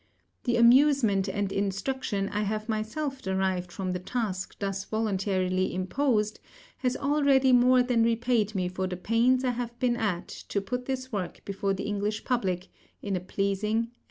The amusement and instruction I have myself derived from the task thus voluntarily imposed has already more than repaid me for the pains I have been at to put this work before the English public in a pleasing and available form.